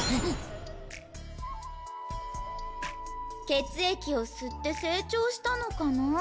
血液を吸って成長したのかな？